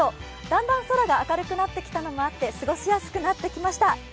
だんだん空が明るくなってきたのもあって過ごしやすくなってきました。